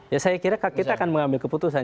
ya saya kira kita akan mengambil keputusan